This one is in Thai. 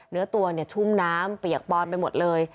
เนื้อตัวชุ่มน้ำเปียกปอนไปหมดเลย